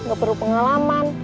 gak perlu pengalaman